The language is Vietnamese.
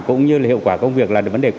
cũng như là hiệu quả công việc